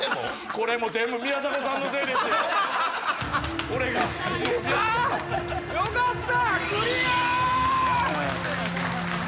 これも全部宮迫さんのせいですよ。よかった！